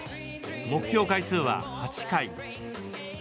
目標回数は、８回。